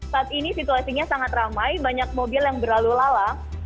saat ini situasinya sangat ramai banyak mobil yang berlalu lalang